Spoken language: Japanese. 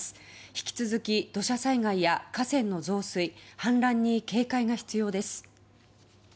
引き続き、土砂災害や河川の増水氾濫に警戒が必要です。